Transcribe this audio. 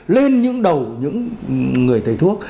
lên những đầu những người thầy thuốc